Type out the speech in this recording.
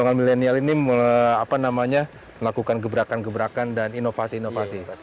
kita kan banyak berharap dengan golongan milenial ini melakukan gebrakan gebrakan dan inovasi inovasi